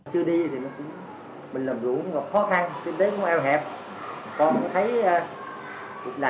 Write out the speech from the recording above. chưa đi thì mình làm dụng khó khăn kinh tế cũng eo hẹp